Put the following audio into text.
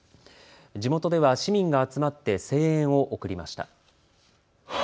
地元では市民が集まって声援を送りました。